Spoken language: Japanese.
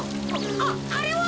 あっあれは！？